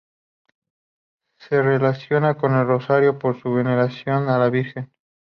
Se le relaciona con el Rosario por su veneración a la Virgen.